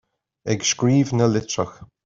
Ag scríobh na litreach.